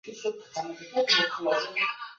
卒年七十一岁。